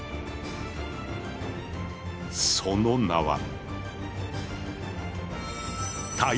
その名は。